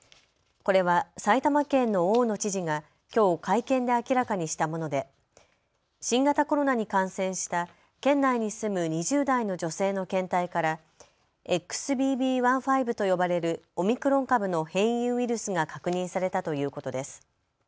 これは埼玉県の大野知事がきょう会見で明らかにしたもので新型コロナに感染した県内に住む２０代の女性の検体からＸＢＢ．１．５と呼ばれるオミクロン株の変異ウイルスが確認されたということです。